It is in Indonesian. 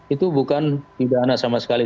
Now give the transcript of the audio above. itu bukan pidana sama sekali